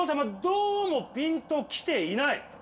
どうもぴんときていない。